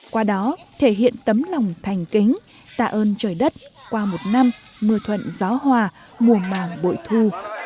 qua đó thể hiện tấm lòng thành kính tạ ơn trời đất qua một năm mưa thuận gió hòa mùa màng bội thu